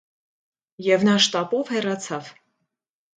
Եվ նա շտապով հեռացավ: